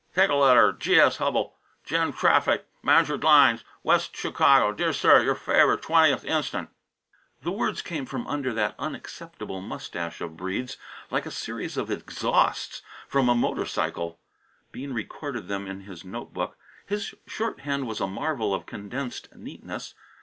"Take letter G.S. Hubbell gen' traffic mag'r lines Wes' Chicago dear sir your favour twen'th instant " The words came from under that unacceptable moustache of Breede's like a series of exhausts from a motorcycle. Bean recorded them in his note book. His shorthand was a marvel of condensed neatness.